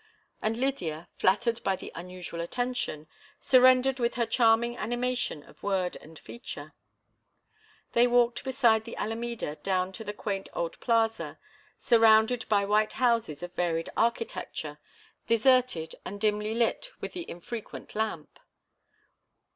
And Lydia, flattered by the unusual attention, surrendered with her charming animation of word and feature. They walked beside the Alameda down to the quaint old plaza, surrounded by white houses of varied architecture, deserted and dimly lit with the infrequent lamp.